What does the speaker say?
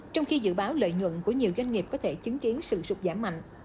trong khi dự báo lợi nhuận của nhiều doanh nghiệp có thể chứng kiến sự sụt giảm mạnh